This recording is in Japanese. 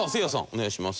お願いします。